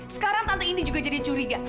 sekarang tante ini juga jadi curiga